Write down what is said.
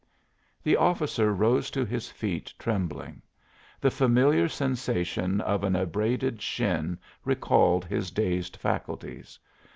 The officer rose to his feet, trembling. The familiar sensation of an abraded shin recalled his dazed faculties.